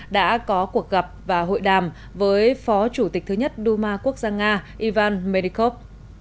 đã có cuộc gặp và hội đàm với phó chủ tịch thứ nhất đu ma quốc gia nga ivan menikov